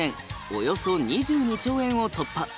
およそ２２兆円を突破。